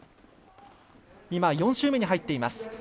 ４周目に入っています